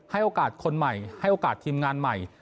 ให้โอกาสคนใหม่ให้โอกาสทีมงานใหม่